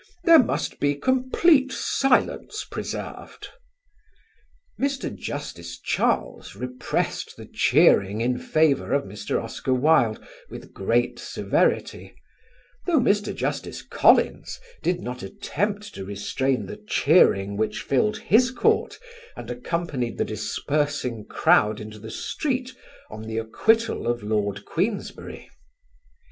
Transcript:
There must be complete silence preserved." Mr. Justice Charles repressed the cheering in favour of Mr. Oscar Wilde with great severity, though Mr. Justice Collins did not attempt to restrain the cheering which filled his court and accompanied the dispersing crowd into the street on the acquittal of Lord Queensberry.